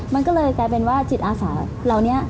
มันก็เลยกลายเป็นว่าจิตอาสาเหล่านี้